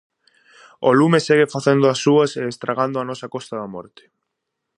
O lume segue facendo das súas e estragando a nosa Costa da Morte.